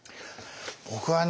僕はね